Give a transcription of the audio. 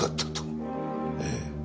ええ。